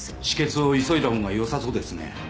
止血を急いだ方がよさそうですね。